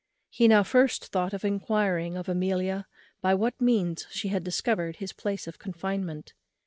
He now first thought of enquiring of Amelia by what means she had discovered the place of his confinement.